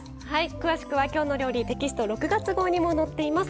詳しくは「きょうの料理」テキスト６月号にも載っています。